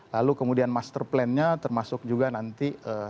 lalu kemudian master plan nya termasuk juga nanti